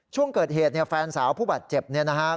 ช่วงเกิดเหตุเนี่ยแฟนสาวผู้บาดเจ็บเนี่ยนะฮะ